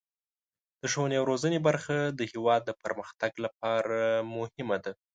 د ښوونې او روزنې برخه د هیواد د پرمختګ لپاره مهمه ده.